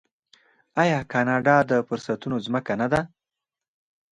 آیا کاناډا د فرصتونو ځمکه نه ده؟